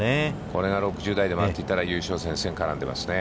これが６０台で回ってたら優勝戦線に絡んでますね。